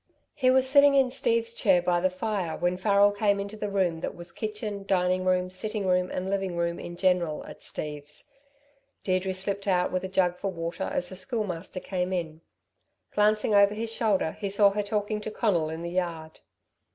He was sitting in Steve's chair by the fire when Farrel came into the room that was kitchen, dining room, sitting room, and living room in general at Steve's. Deirdre slipped out with a jug for water as the Schoolmaster came in. Glancing over his shoulder, he saw her talking to Conal in the yard.